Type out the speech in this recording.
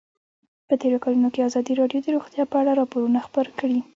په تېرو کلونو کې ازادي راډیو د روغتیا په اړه راپورونه خپاره کړي دي.